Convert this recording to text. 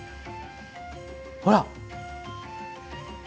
ほら！